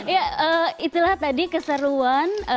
ya itulah tadi keseruan